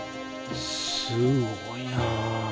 すごいなあ。